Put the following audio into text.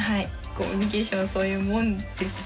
コミュニケーションはそういうもんですよね。